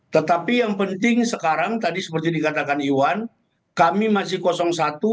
tetapi yang penting sekarang tadi seperti dikatakan iwan kami masih satu